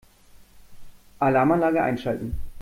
Alarmanlage einschalten.